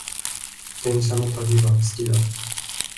電車の旅が好きだ